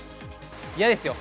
嫌ですよ。